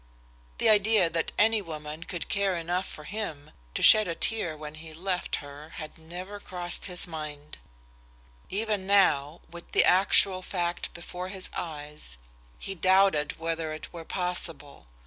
The idea that any woman could care enough for him to shed a tear when he left her had never crossed his mind; even now, with the actual fact before his eyes, he doubted whether it were possible.